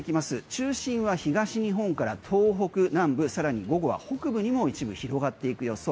中心は東日本から東北南部さらに午後は北部にも一部広がっていく予想。